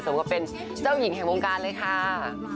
กับเป็นเจ้าหญิงแห่งวงการเลยค่ะ